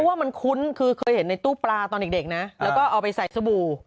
เพราะว่ามันคุ้นคือเคยเห็นในตู้ปลาตอนเด็กนะและอ้อพยายามใช้สบู่